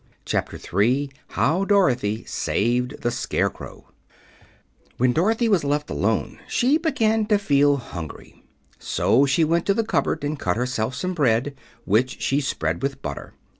Chapter III How Dorothy Saved the Scarecrow When Dorothy was left alone she began to feel hungry. So she went to the cupboard and cut herself some bread, which she spread with butter.